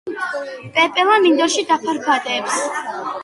პეპელა მინდორში დაფარფატებს.